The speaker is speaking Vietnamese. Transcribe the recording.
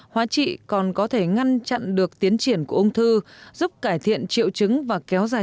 hóa trị còn có thể ngăn chặn được tiến triển của ung thư giúp cải thiện triệu chứng và kéo dài